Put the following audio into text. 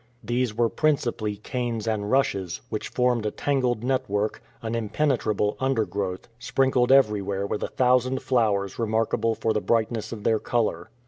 These were principally canes and rushes, which formed a tangled network, an impenetrable undergrowth, sprinkled everywhere with a thousand flowers remarkable for the brightness of their color.